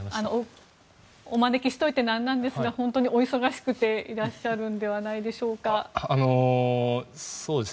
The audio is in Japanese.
お招きしておいてなんなんですが本当にお忙しくしていらっしゃるのではないでしょうか。